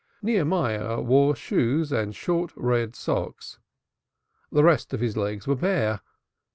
Nehemiah wore shoes and short red socks. The rest of his legs was bare.